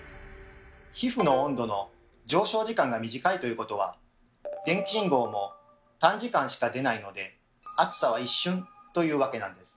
皮膚の温度の上昇時間が短いということは電気信号も短時間しか出ないので熱さは一瞬というわけなんです。